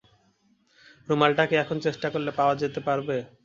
রুমালটা কি এখন চেষ্টা করলে পাওয়া যেতে পারবে?